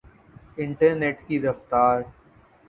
internet کی رفتار